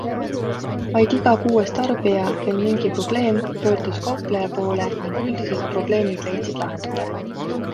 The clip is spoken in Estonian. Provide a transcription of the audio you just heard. Vaid iga kuues tarbija, kel mingi probleem, pöördus kaupleja poole ning üldiselt probleemid leidsid lahenduse.